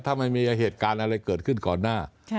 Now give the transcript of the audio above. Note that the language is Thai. ถ้าไม่มีเหตุการณ์อะไรเกิดขึ้นก่อนหน้า